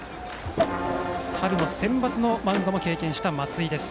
春センバツのマウンドも経験した松井です。